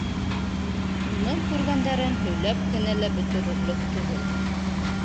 Уның күргәндәрен һөйләп кенә лә бөтөрөрлөк түгел.